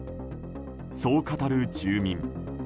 そう語る住民。